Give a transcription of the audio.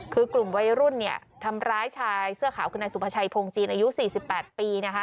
คือกลุ่มวัยรุ่นเนี่ยทำร้ายชายเสื้อขาวคือนายสุภาชัยพงจีนอายุ๔๘ปีนะคะ